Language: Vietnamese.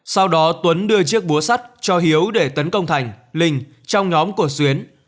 sau đó tuấn đưa chiếc búa sắt cho hiếu để tấn công thành linh trong nhóm của xuyến